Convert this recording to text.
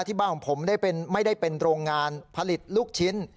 ที่บ้านของผมไม่ได้เป็นโรงงานผลิตลูกชิ้น